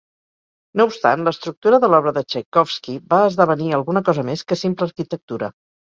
No obstant, l'estructura de l'obra de Tchaikovsky va esdevenir alguna cosa més que simple arquitectura.